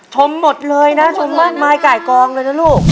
ชมหมดเลยนะชมมั่นมายกลายกองเลยนะลูก